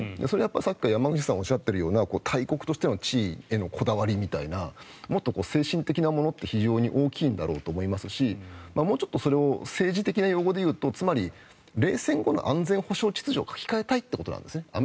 それはさっきから山口さんがおっしゃっているような大国の地位へのこだわりみたいなもっと精神的なものって非常に大きいんだろうって思いますしもうちょっとそれを政治的な用語でいうと冷戦後の安全保障秩序を書き換えたいということなんですね。